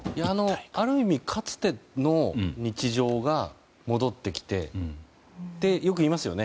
ある意味かつての日常が戻ってきてってそうよく言いますよね。